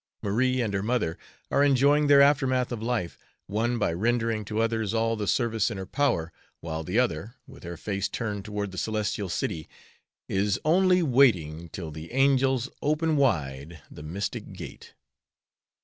Marie and her mother are enjoying their aftermath of life, one by rendering to others all the service in her power, while the other, with her face turned toward the celestial city, is "Only waiting till the angels Open wide the mystic gate."